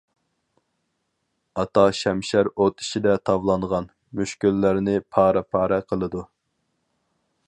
ئاتا شەمشەر ئوت ئىچىدە تاۋلانغان، مۈشكۈللەرنى پارە-پارە قىلىدۇ.